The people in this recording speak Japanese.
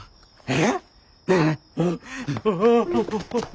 えっ！？